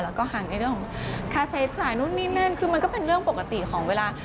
แล้วก็ห่างในเรื่องของค่าใช้สายนู่นนี่นั่นคือมันก็เป็นเรื่องปกติของเวลา